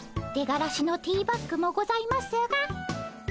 出がらしのティーバッグもございますが。